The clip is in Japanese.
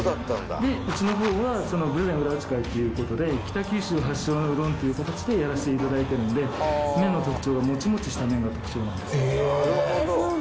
うちの方は豊前裏打会ということで北九州発祥のうどんという形でやらせていただいてるんで麺の特徴がモチモチした麺が特徴なんです。